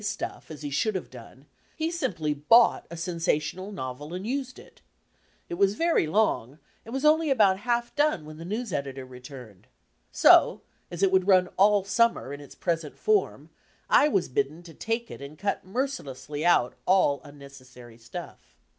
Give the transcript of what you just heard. stuff as he should have done, he simply bought a sensational novel and used it. It was very long and was only about half done when the news editor returned. So, as it would run all summer, in its present form, I was bidden to take it and cut merci lessly out all unnecessary stuff.